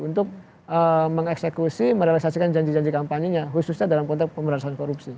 untuk mengeksekusi merealisasikan janji janji kampanyenya khususnya dalam konteks pemberantasan korupsi